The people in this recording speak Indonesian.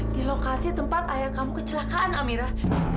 di lokasi tempat ayah kamu kecelakaan amirah